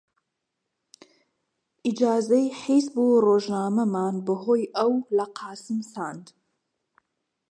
ئیجازەی حیزب و ڕۆژنامەمان بە هۆی ئەو لە قاسم ساند